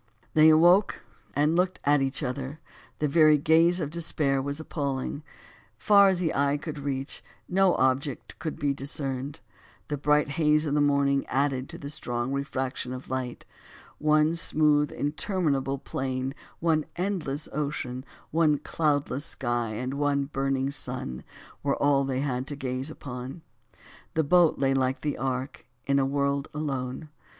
They awoke and looked at each other, the very gaze of despair was appalling; far as the eye could reach, no object could be discerned; the bright haze of the morning added to the strong refraction of light; one smooth, interminable plain, one endless ocean, one cloudless sky and one burning sun, were all they had to gaze upon. The boat lay like the ark, in a world alone!